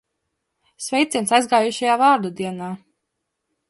Sveiciens aizgājušajā vārda dienā!